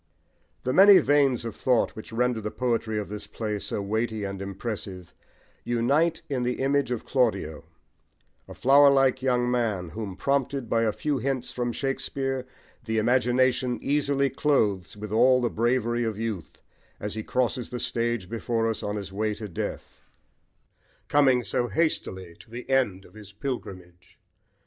The many veins of thought which render the poetry of this play so weighty and impressive unite in the image of Claudio, a flowerlike young man, whom, prompted by a few hints from Shakespeare, the imagination easily clothes with all the bravery of youth, as he crosses the stage before us on his way to death, coming so hastily to the end of his pilgrimage.